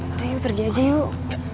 pak yu pergi aja yuk